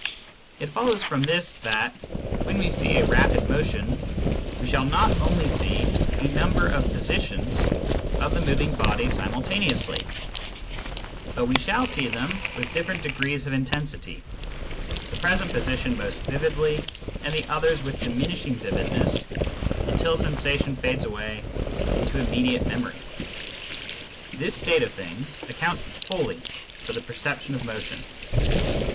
It follows from this that, when we see a rapid motion, we shall not only see a number of positions of the moving body simultan eously, but we shall see them with diflferent degrees of intensity — the present position most vividly, and the others with diminishing vividness, until sensation fades away into immediate memory. This state of things accounts fully for the perception of motion.